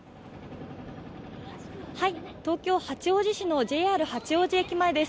東京・八王子市のＪＲ八王子駅前です。